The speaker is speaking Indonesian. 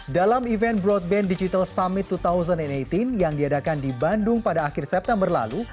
dalam event broadband digital summit dua ribu delapan belas yang diadakan di bandung pada akhir september lalu